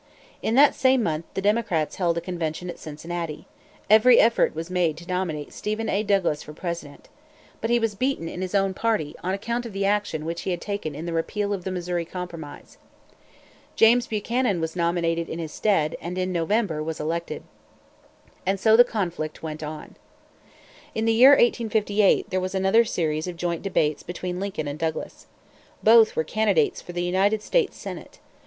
In that same month the Democrats held a convention at Cincinnati. Every effort was made to nominate Stephen A. Douglas for President. But he was beaten in his own party, on account of the action which he had taken in the repeal of the Missouri Compromise. James Buchanan was nominated in his stead, and, in November, was elected. And so the conflict went on. In the year 1858 there was another series of joint debates between Lincoln and Douglas. Both were candidates for the United States Senate.